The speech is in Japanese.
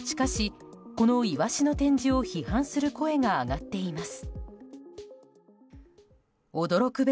しかし、このイワシの展示を批判する声が上がっています。